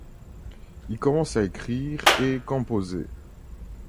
Il commence à écrire et composer.